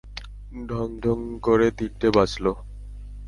ঢং ঢং করে তিনটে বাজল।